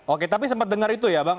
oke tapi sempat dengar itu ya bang